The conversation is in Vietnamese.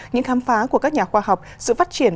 những khám phá của các nhà khoa học sự phát triển